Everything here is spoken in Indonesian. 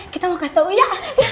kita mau kasih tau ya